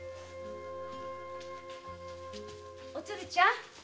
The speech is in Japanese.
おつるちゃん！